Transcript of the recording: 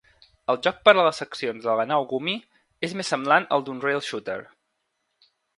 El joc per a les seccions de la nau Gumi és més semblant al d'un "rail shooter".